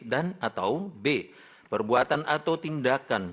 dan atau b perbuatan atau tindakan